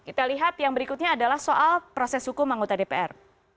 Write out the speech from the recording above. kita lihat yang berikutnya adalah soal proses hukum anggota dpr